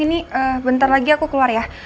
ini bentar lagi aku keluar ya